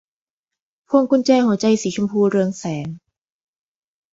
พวงกุญแจหัวใจสีชมพูเรืองแสง